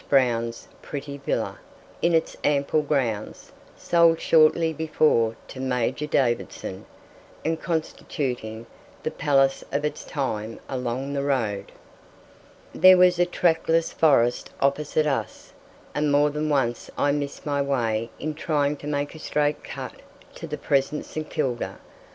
Browne's pretty villa, in its ample grounds, sold shortly before to Major Davidson, and constituting the palace of its time along the road. There was a trackless forest opposite us, and more than once I missed my way in trying to make a straight cut to the present St. Kilda.